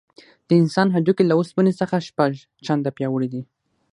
د انسان هډوکي له اوسپنې څخه شپږ چنده پیاوړي دي.